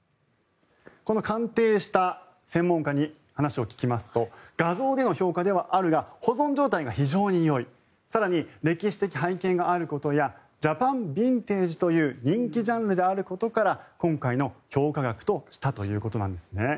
この鑑定した専門家に話を聞きますと画像での評価ではあるが保存状態が非常によい更に、歴史的背景があることやジャパンビンテージという人気ジャンルであることから今回の評価額としたということなんですね。